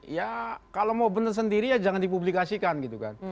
ya kalau mau benar sendiri ya jangan dipublikasikan gitu kan